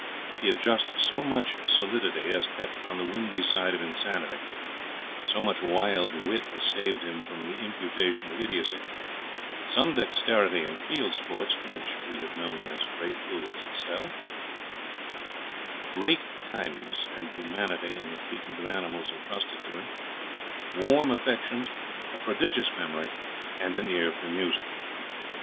He had just so much solidity as kept on the windy side of insanity, so much wild wit as saved him from the imputation of idiocy, some dexterity in field sports (in which we have known as great fools excel), great kindness and humanity in the treatment of animals entrusted to him, warm affections, a prodigious memory, and an ear for music.